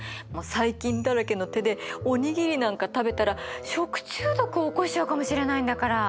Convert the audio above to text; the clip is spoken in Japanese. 細菌だらけの手でお握りなんか食べたら食中毒を起こしちゃうかもしれないんだから。